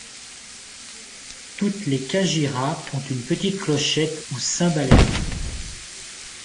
Toutes les kanjiras ont une petite clochette ou cymbalette.